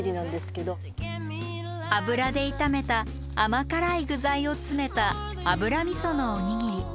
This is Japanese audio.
油で炒めた甘辛い具材を詰めた油みそのおにぎり。